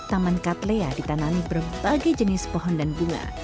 taman katlea ditanami berbagai jenis pohon dan bunga